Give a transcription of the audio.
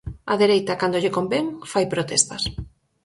A dereita, cando lle convén, fai protestas.